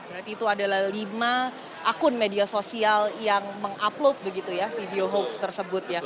berarti itu adalah lima akun media sosial yang mengupload begitu ya video hoax tersebut ya